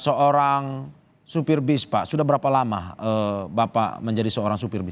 seorang supir bis pak sudah berapa lama bapak menjadi seorang supir bis